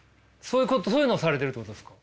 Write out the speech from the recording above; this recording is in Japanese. そういうのをされてるってことですか？